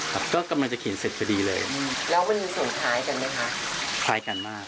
ก็กำลังจะเขียนเสร็จไปดีเลย